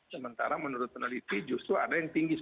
sementara menurut peneliti justru ada yang tinggi